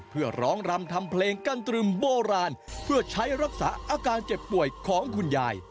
เพื่อร้องรำทำเพลงกันตรึมโบราณเพื่อใช้รักษาอาการเจ็บป่วยของคุณยาย